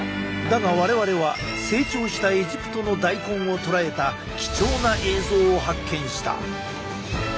だが我々は成長したエジプトの大根を捉えた貴重な映像を発見した。